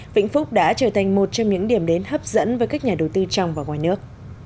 vĩnh phúc đã trở thành một trong những điểm đến hấp dẫn với các nhà đầu tư trong và ngoài nước